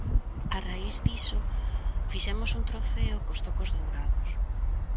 A raíz diso fixemos un trofeo cos zocos dourados.